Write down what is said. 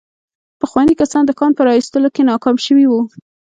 پخواني کسان د کان په را ايستلو کې ناکام شوي وو.